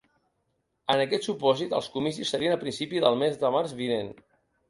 En aquest supòsit, els comicis serien a principi del mes de març vinent.